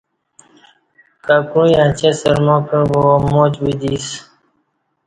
ککُعین اچیں سرما کعبا ماچ بدی اسہ